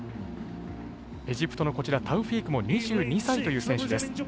エジプトのタウフィークも２２歳という選手です。